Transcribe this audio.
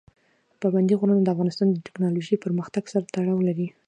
پابندی غرونه د افغانستان د تکنالوژۍ پرمختګ سره تړاو لري.